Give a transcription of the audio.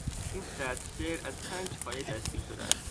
این سطر شعر از پنج پایه تشکیل شده است.